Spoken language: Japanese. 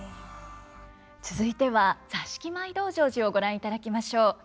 続いては「座敷舞道成寺」をご覧いただきましょう。